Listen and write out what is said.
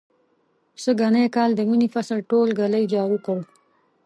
سږنی کال د مني فصل ټول ږلۍ جارو کړ.